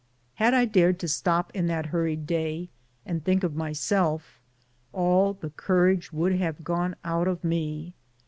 Had I dared to stop in that hurried day and think of myself all the courage would have gone out of me.